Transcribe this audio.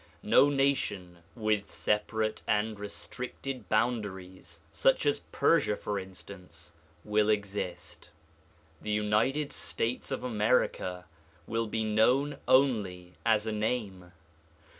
No nation with separate and restricted boundaries, such as Persia for instance, will exist. The United States of America will be known only as a name.